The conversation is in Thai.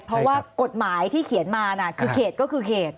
เพราะว่ากฎหมายที่เขียนมาคือเขตก็คือเขต